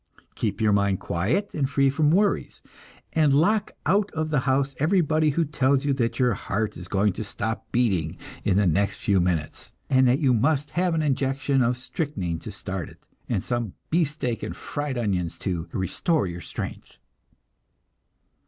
Keep your mind quiet and free from worries, and lock out of the house everybody who tells you that your heart is going to stop beating in the next few minutes, and that you must have an injection of strychnine to start it, and some beefsteak and fried onions to "restore your strength."